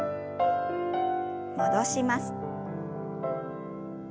戻します。